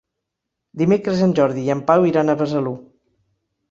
Dimecres en Jordi i en Pau iran a Besalú.